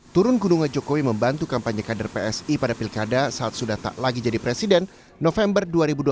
turun gunung jokowi membantu kampanye kader psi pada pilkada saat sudah tak lagi jadi presiden november dua ribu dua puluh